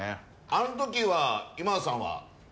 あの時は今田さんは？